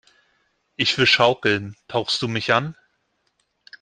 Ich will schaukeln! Tauchst du mich an?